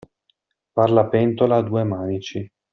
Far la pentola a due manici.